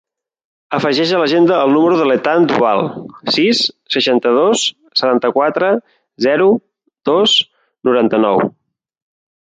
Afegeix a l'agenda el número de l'Ethan Duval: sis, seixanta-dos, setanta-quatre, zero, dos, noranta-nou.